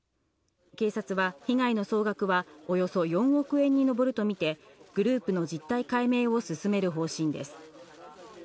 警察は被害の総額はおよそ４億円に上るとみてグループの実態解明を進める方針です。